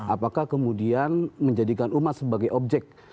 apakah kemudian menjadikan umat sebagai objek